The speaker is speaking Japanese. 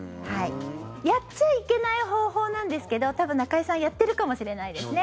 やっちゃいけない方法なんですけど多分、中居さんやっているかもしれないですね。